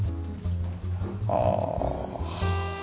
ああ。